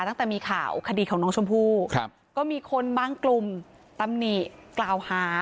ตั้งแต่มีข่าวคดีของน้องชมพู่ครับก็มีคนบางกลุ่มตำหนิกล่าวหา